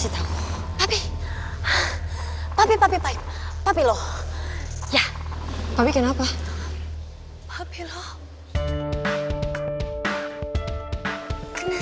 ya udah kita ke rumah